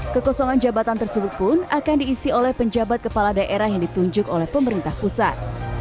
kekosongan jabatan tersebut pun akan diisi oleh penjabat kepala daerah yang ditunjuk oleh pemerintah pusat